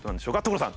所さん！